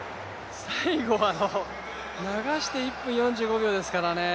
最後、流して１分４５秒ですからね。